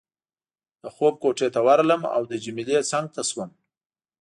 د خوب کوټې ته ورغلم او د جميله څنګ ته شوم.